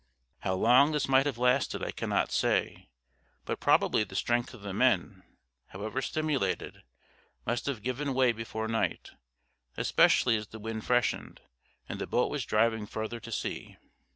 How long this might have lasted I cannot say; but probably the strength of the men, however stimulated, must have given way before night, especially as the wind freshened, and the boat was driving further to sea.